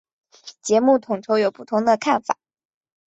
节目统筹有不同的看法。